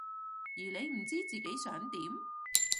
而你唔知自己想點？